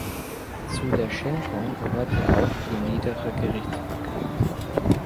Zu der Schenkung gehörte auch die Niedere Gerichtsbarkeit.